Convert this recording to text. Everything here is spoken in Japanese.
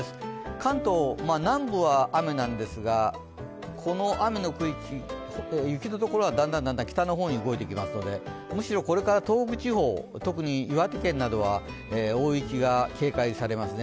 関東、南部は雨なんですが、この雨の区域、雪の所はだんだん北の方に動いてきますので、むしろこれから東北地方、特に岩手県などは大雪が警戒されますね。